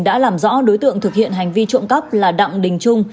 đã làm rõ đối tượng thực hiện hành vi trộm cắp là đặng đình trung